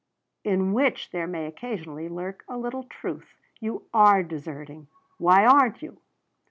"In which there may occasionally lurk a little truth. You are deserting. Why aren't you?"